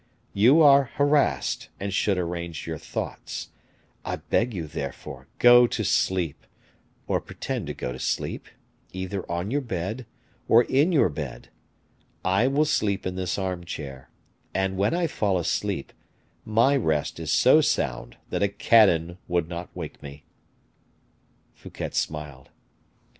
You are harassed, and should arrange your thoughts; I beg you, therefore, go to sleep, or pretend to go to sleep, either on your bed, or in your bed; I will sleep in this armchair; and when I fall asleep, my rest is so sound that a cannon would not wake me." Fouquet smiled.